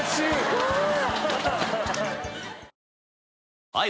すごい。